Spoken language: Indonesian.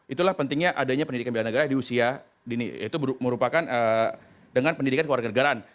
itulah pentingnya adanya pendidikan bela negara di usia dini itu merupakan dengan pendidikan keluarga negaraan